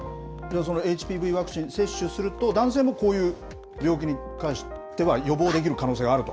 ＨＰＶワクチン接種すると、男性もこういう病気に関しては予防できる可能性があると？